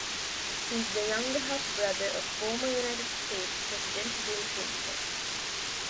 He is the younger half-brother of former United States President Bill Clinton.